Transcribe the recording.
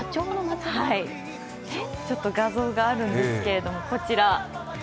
ちょっと画像があるんですけれども、こちら。